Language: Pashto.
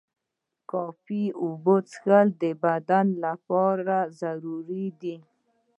کافی اوبه څښل د بدن لپاره ضروري دي.